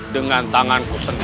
dengan tanganku sendiri